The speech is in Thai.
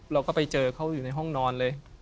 เราก็ไปเจอเขาอยู่ในห้องนอนเลย